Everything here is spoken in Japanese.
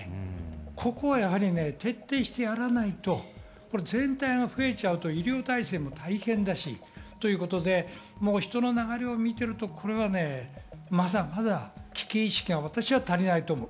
ここは徹底してやらないと、全体が増えちゃうと医療体制も大変だし、人の流れを見ていると、これはまだまだ危機意識がまだまだ足りないと思う。